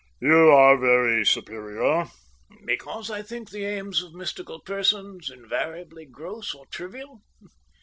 "You are very superior." "Because I think the aims of mystical persons invariably gross or trivial?